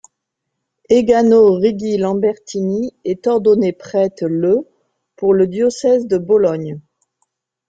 Egano Righi-Lambertini est ordonné prêtre le pour le diocèse de Bologne.